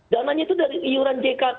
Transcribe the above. dananya itu dari iuran jkk dan jkm